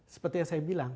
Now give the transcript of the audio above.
seperti yang saya bilang